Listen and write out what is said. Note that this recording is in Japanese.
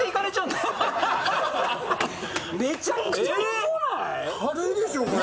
めちゃくちゃ重ない？